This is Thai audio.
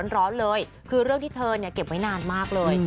เรื่องที่เธอเก็บไว้นานมากเลย